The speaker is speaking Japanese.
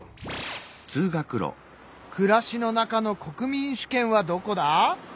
暮らしの中の国民主権はどこだ？